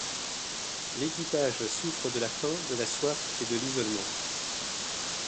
L'équipage souffre de la faim, de la soif et de l'isolement.